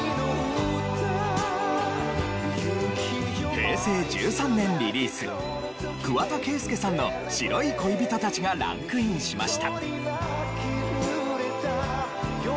平成１３年リリース桑田佳祐さんの『白い恋人達』がランクインしました。